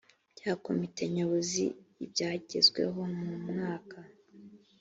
bya komite nyobozi ibyagezweho mu mwaka